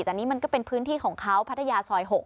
แต่นี่มันก็เป็นพื้นที่ของเขาพัทยาซอย๖